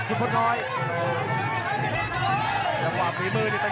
ต้องการสวัสดีค่ะ